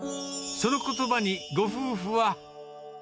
そのことばにご夫婦は。